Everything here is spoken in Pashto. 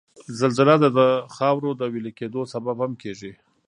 زلزله د د خاورو د ویلي کېدو سبب هم کیږي